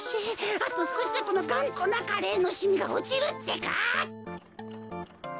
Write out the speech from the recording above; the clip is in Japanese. あとすこしでこのがんこなカレーのしみがおちるってか。